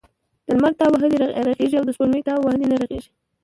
د لمر تاو وهلی رغیږي او دسپوږمۍ تاو وهلی نه رغیږی .